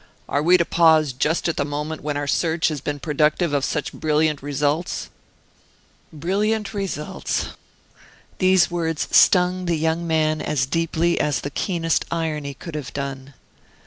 "Are we to pause just at the moment when our search has been productive of such brilliant results?" "Brilliant results!" These words stung the young man as deeply as the keenest irony could have done.